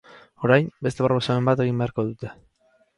Orain, beste proposamen bat egin beharko dute.